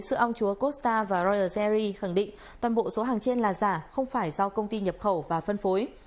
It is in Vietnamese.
sữa ong chúa costa và realzer khẳng định toàn bộ số hàng trên là giả không phải do công ty nhập khẩu và phân phối